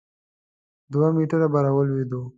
دوه متره به را ولوېدو.